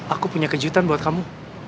aku punya kejutan buat kamu